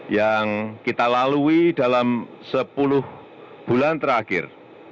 yang kita lalui dalam sepuluh bulan terakhir